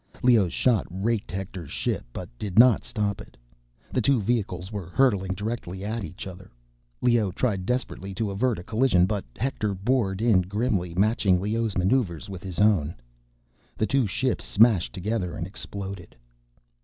Leoh's shot raked Hector's ship but did not stop it. The two vehicles were hurtling directly at each other. Leoh tried desperately to avert a collision, but Hector bored in grimly, matching Leoh's maneuvers with his own. The two ships smashed together and exploded.